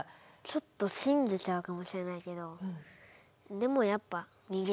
ちょっと信じちゃうかもしれないけどでもやっぱ逃げる。